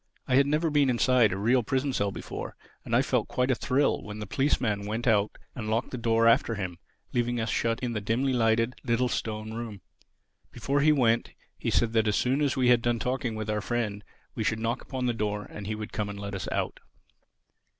I had never been inside a real prison cell before; and I felt quite a thrill when the policeman went out and locked the door after him, leaving us shut in the dimly lighted, little, stone room. Before he went, he said that as soon as we had done talking with our friend we should knock upon the door and he would come and let us out.